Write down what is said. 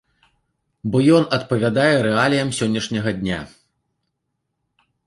Бо ён адпавядае рэаліям сённяшняга дня.